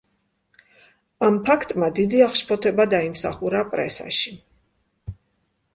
ამ ფაქტმა დიდი აღშფოთება დაიმსახურა პრესაში.